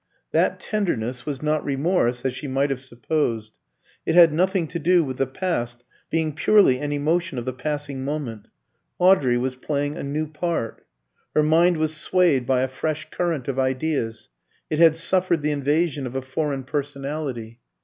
That tenderness was not remorse, as she might have supposed. It had nothing to do with the past, being purely an emotion of the passing moment. Audrey was playing a new part. Her mind was swayed by a fresh current of ideas; it had suffered the invasion of a foreign personality.